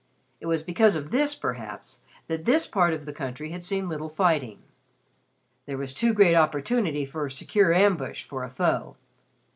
It was because of this, perhaps, that this part of the country had seen little fighting. There was too great opportunity for secure ambush for a foe.